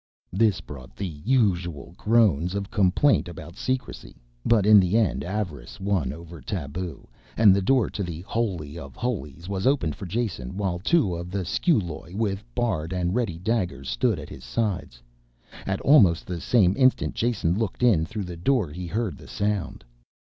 This brought the usual groans of complaint about secrecy, but in the end avarice won over taboo and the door to the holy of holies was opened for Jason while two of the sciuloj, with bared and ready daggers, stood at his sides. At almost the same instant Jason looked in through the door he heard the sound.